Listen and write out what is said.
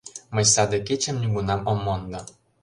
Мый саде кечым нигунам ом мондо.